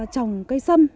trồng cây sâm